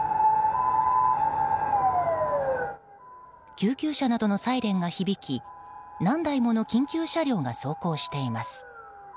救急車などのサイレンが響き何台もの緊急車両が走行しています。